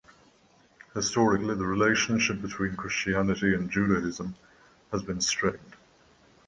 Historically, the relationship between Christianity and Judaism has been strained.